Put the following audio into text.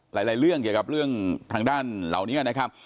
หลายเรื่องเกี่ยวกับเรื่องทางด้านเหล่านี้นะครับ